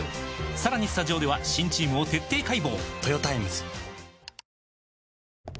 さらにスタジオでは新チームを徹底解剖！